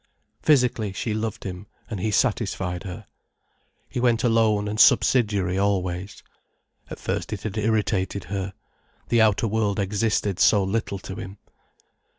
Physically, she loved him and he satisfied her. He went alone and subsidiary always. At first it had irritated her, the outer world existed so little to him.